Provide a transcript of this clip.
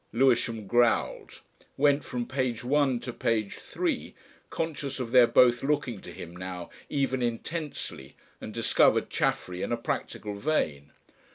Lewisham growled, went from page 1 to page 3 conscious of their both looking to him now even intensely and discovered Chaffery in a practical vein.